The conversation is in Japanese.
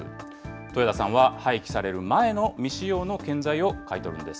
豊田さんは廃棄される前の未使用の建材を買い取るんです。